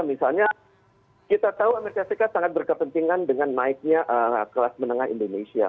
misalnya kita tahu amerika serikat sangat berkepentingan dengan naiknya kelas menengah indonesia